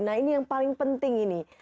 nah ini yang paling penting ini